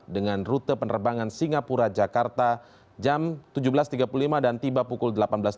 dengan rute penerbangan singapura jakarta jam tujuh belas tiga puluh lima dan tiba pukul delapan belas tiga puluh